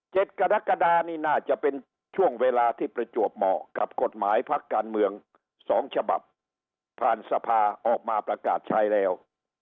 กรกฎานี่น่าจะเป็นช่วงเวลาที่ประจวบเหมาะกับกฎหมายพักการเมืองสองฉบับผ่านสภาออกมาประกาศใช้แล้ว